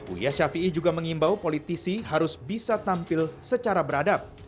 wiyah syafi'i juga mengimbau politisi harus bisa tampil secara beradab